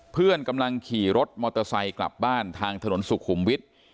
เพื่อนกำลังขี่รถมอเตอร์ไซค์กลับบ้านทางถนนสุขุมวิทย์